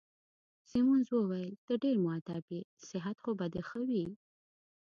سیمونز وویل: ته ډېر مودب يې، صحت خو به دي ښه وي؟